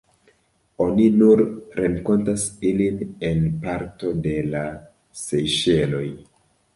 Oni nur renkontas ilin en parto de la Sejŝeloj.